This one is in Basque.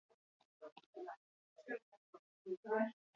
Aurten ere talde kopuru handia eta oso maila altuko kantuak jaso ditugu.